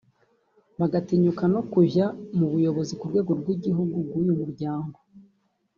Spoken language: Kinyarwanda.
bagatinyuka no kujya mu buyobozi ku rwego rw’igihugu bw’uyu muryango